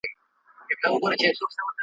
راځئ چي د جګړې کرغېړنه څېره ورکه کړو.